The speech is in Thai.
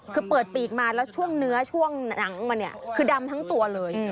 คือเปิดปีกมาแล้วช่วงเนื้อช่วงหนังมันเนี่ยคือดำทั้งตัวเลย